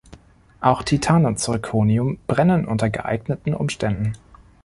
Auch Titan und Zirconium brennen unter geeigneten Umständen.